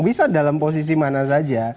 bisa dalam posisi mana saja